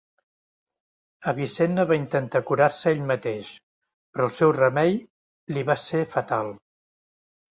Avicenna va intentar curar-se ell mateix, però el seu remei li va ser fatal.